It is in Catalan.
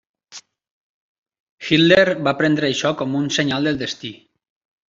Hitler va prendre això com un senyal del destí.